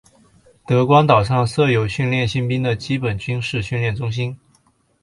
德光岛上设有训练新兵的基本军事训练中心。